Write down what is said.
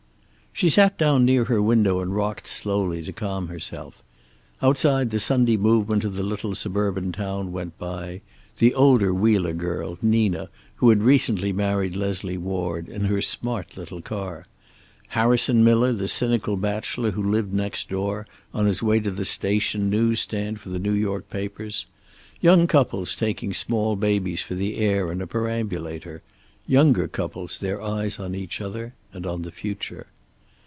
She sat down near her window and rocked slowly, to calm herself. Outside the Sunday movement of the little suburban town went by: the older Wheeler girl, Nina, who had recently married Leslie Ward, in her smart little car; Harrison Miller, the cynical bachelor who lived next door, on his way to the station news stand for the New York papers; young couples taking small babies for the air in a perambulator; younger couples, their eyes on each other and on the future.